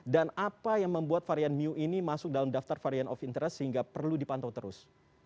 dan apa yang membuat varian new ini masuk dalam daftar varian of interest sehingga perlu dipantau terus